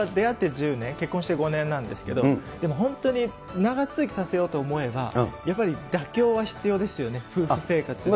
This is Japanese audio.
だから僕は出会って１０年、結婚して５年なんですけど、でも本当に長続きさせようと思えば、やっぱり妥協は必要ですよね、夫婦生活。